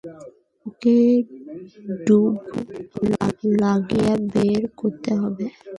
ওকে ডুব লাগিয়ে বের করতে হবে।